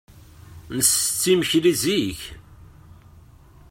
Nettett imekli zik.